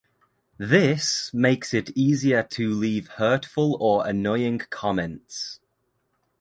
This makes it easier to leave hurtful or annoying comments.